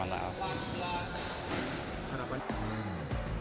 harapannya akan melalui